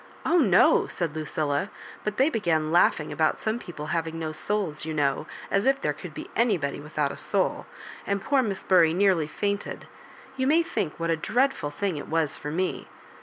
«*0h, no," said LudUa; " but they began laughing about some people having no souls, you know — as if there could be anybody with out a soul — and poor Miss Bury nearly fainted. You may think what a dreadful thing it was for me."